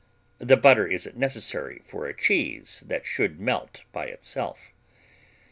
(The butter isn't necessary for a cheese that should melt by itself.)